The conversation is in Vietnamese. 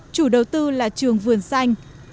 chủ đầu tư là trường vườn xanh